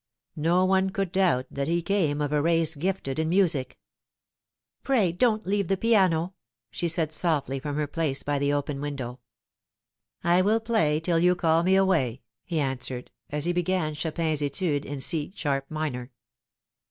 No one could doubt that he came of a race gifted in music. " Pray dc*'t leave the piano," she said softly from her place by the open window. " I will play till you call me away," he answered, as he began Chopin's Etude in C sharp minor.